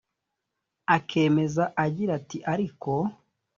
Akemeza agira ati “Ariko